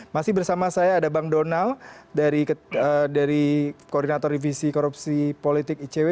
masih bersama saya ada bang donal dari koordinator divisi korupsi politik icw